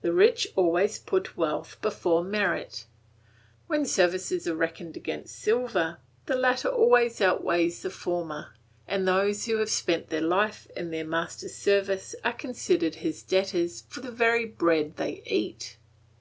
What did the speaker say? The rich always put wealth before merit. When services are reckoned against silver, the latter always outweighs the former, and those who have spent their life in their master's service are considered his debtors for the very bread they eat.